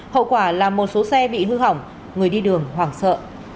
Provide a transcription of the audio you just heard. hậu quả là một số xe bị hư hỏng người đi đường hoảng sợ